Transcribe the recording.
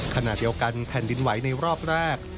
ขณะเดียวกันแผ่นดินไหวในรอบแรก